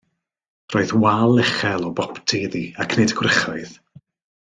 Roedd wal uchel o boptu iddi, ac nid gwrychoedd.